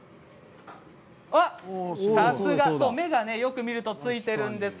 さすが目がよく見るとついています。